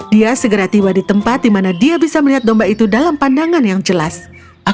dia segera tiba di tempat dimana dia bisa melihat domba dendamu itu dalam pandangannya yg keputusan